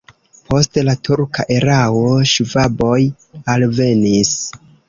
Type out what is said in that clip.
Post la turka erao ŝvaboj alvenis.